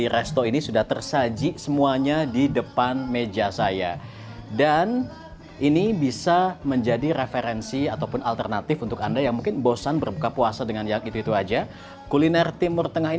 restoran ini juga dihiasi dengan ornamen timur tengah